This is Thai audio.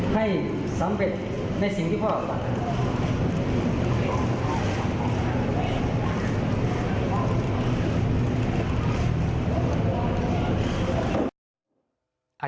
ให้สำเร็จในสิ่งที่พ่อหวัง